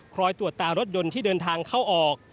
ตรวจตารถยนต์ที่เดินทางเข้าออก